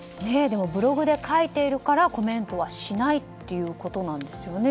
ブログで書いているからコメントはしないということなんですよね。